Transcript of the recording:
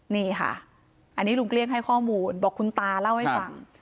นี่ค่ะอันนี้ลุงเกลี้ยงให้ข้อมูลบอกคุณตาเล่าให้ฟัง